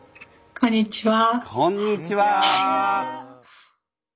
こんにちは。